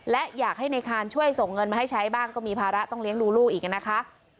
และอยากให้ในคานช่วยส่งเงินมาให้ใช้บ้างก็มีภาระต้องเลี้ยงดูลูกอีกนะคะ